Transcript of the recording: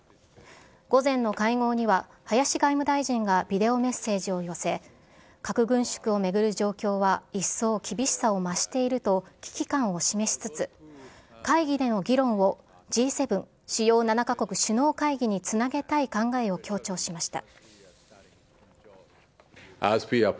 午前の会合には、林外務大臣がビデオメッセージを寄せ、核軍縮を巡る状況は、一層厳しさを増していると危機感を示しつつ、会議での議論を、Ｇ７・主要７か国首脳会議につなげたい考えを強調しました。